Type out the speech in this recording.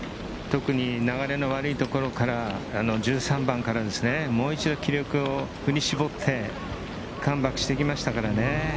特に流れの悪いところから１３番からですね、もう一度気力を振り絞ってカムバックしてきましたからね。